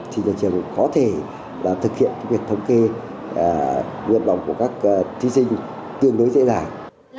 thì nhà trường có thể thực hiện việc thống kê nguyện vọng của các thí sinh tương đối dễ dàng